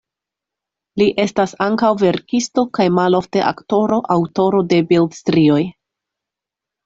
Li estas ankaŭ verkisto kaj malofte aktoro, aŭtoro de bildstrioj.